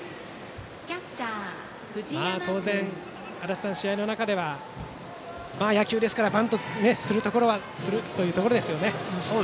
当然、足達さん、試合の中では野球ですからバントをするところはするということでしょうね。